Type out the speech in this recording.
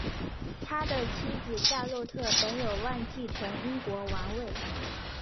他的妻子夏洛特本有望继承英国王位。